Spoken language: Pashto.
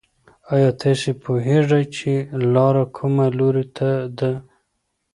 ایا تاسې پوهېږئ چې لاره کوم لوري ته ده؟